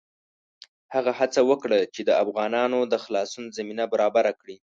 هغه هڅه وکړه چې د افغانانو د خلاصون زمینه برابره کړي.